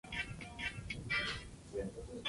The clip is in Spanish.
Su capital es Kandahar.